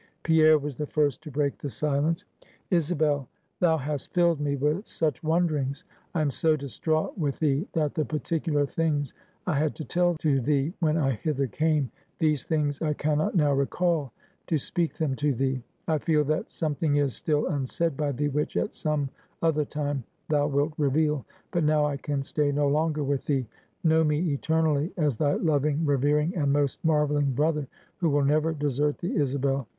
Pierre was the first to break the silence. "Isabel, thou hast filled me with such wonderings; I am so distraught with thee, that the particular things I had to tell to thee, when I hither came; these things I can not now recall, to speak them to thee: I feel that something is still unsaid by thee, which at some other time thou wilt reveal. But now I can stay no longer with thee. Know me eternally as thy loving, revering, and most marveling brother, who will never desert thee, Isabel.